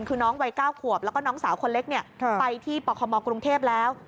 คือน้องวัย๙ขวบแล้วก็น้องสาวคนเล็กไปที่ปคมกรุงเทพแล้ว